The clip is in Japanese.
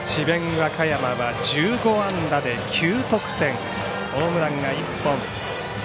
和歌山は１５安打で９得点ホームランが１本。